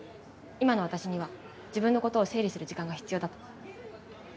今の私には自分の事を整理する時間が必要だと。